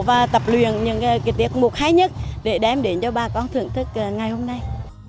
và tập luyện những tiết mục hay nhất để đem đến cho bà con thưởng thức ngày hôm nay